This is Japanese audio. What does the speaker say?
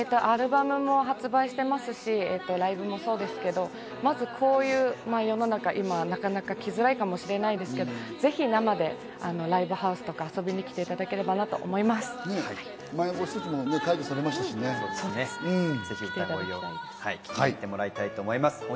アルバムも発売していますし、ライブもそうですけど、まずこういう世の中、今、なかなか来づらいかもしれないですけど、ぜひ生でライブハウスとか遊びに来ていただければなと思います。